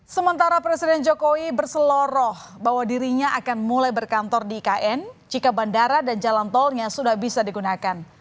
sementara presiden jokowi berseloroh bahwa dirinya akan mulai berkantor di ikn jika bandara dan jalan tolnya sudah bisa digunakan